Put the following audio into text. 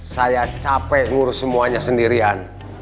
saya capek ngurus semuanya sendirian